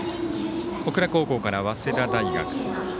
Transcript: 小倉高校から早稲田大学。